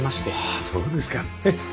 あそうですか。